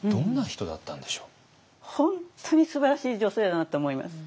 本当にすばらしい女性だなと思います。